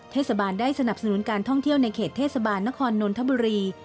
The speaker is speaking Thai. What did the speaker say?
เทศบาลได้สนับสนุนการท่องเที่ยวในเขตเทศบาลนครนนทบุรี